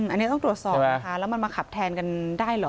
อันนี้ต้องตรวจสอบนะคะแล้วมันมาขับแทนกันได้เหรอ